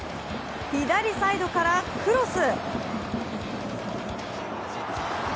左サイドから、クロス！